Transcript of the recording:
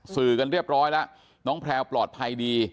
สื่อกันเรียบร้อยแล้วน้องแพลวปลอดภัยดี